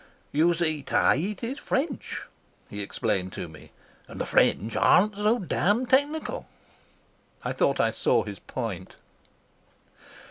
"You see, Tahiti's French," he explained to me. "And the French aren't so damned technical." I thought I saw his point.